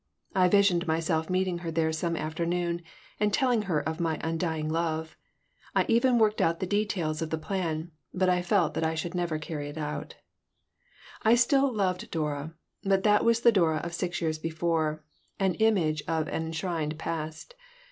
I visioned myself meeting her there some afternoon and telling her of my undying love. I even worked out the details of the plan, but I felt that I should never carry it out I still loved Dora, but that was the Dora of six years before, an image of an enshrined past.